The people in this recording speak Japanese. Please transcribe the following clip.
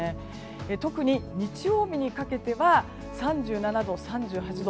特に、日曜日にかけては３７度、３８度。